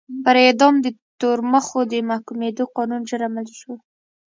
پر اعدام د تورمخو د محکومېدو قانون ژر عملي شو.